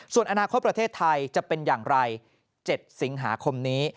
ส่วนอนาคตประเทศไทยจะเป็นอย่างไร๗สิงหาคมนี้